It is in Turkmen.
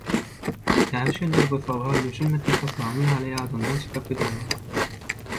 Näme üçindir bu sowal düşünmedik sapagyň ýaly ýadyňdan çykyp gidenok.